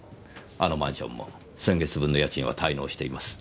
あのマンションも先月分の家賃は滞納しています。